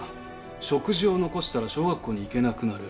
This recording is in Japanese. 食事を残したら小学校に行けなくなる。